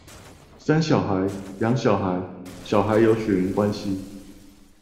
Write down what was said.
生小孩、養小孩、小孩有血緣關係